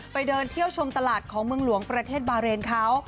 ไปเดินเที่ยวชมตลาดของเมืองหลวงประเทศบาเรนเขา